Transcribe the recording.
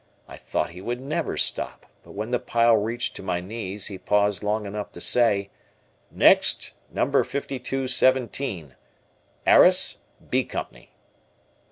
I thought he would never stop, but when the pile reached to my knees he paused long enough to say, "Next, No. 5217, 'Arris, 'B' Company."